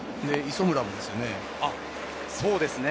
磯村もですよね。